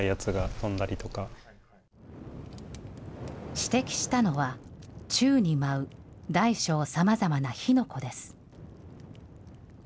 指摘したのは、宙に舞う大小さまざまな火の粉です。